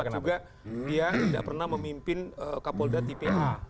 karena sempat juga dia tidak pernah memimpin kapolda tipe a